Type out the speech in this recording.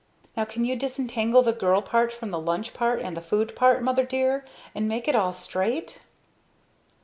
Now can you disentangle the girl part front the lunch part and the food part, mother dear, and make it all straight?"